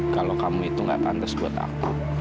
kalau kamu itu gak pantas buat aku